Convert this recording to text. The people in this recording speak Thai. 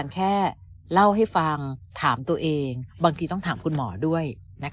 แค่เล่าให้ฟังถามตัวเองบางทีต้องถามคุณหมอด้วย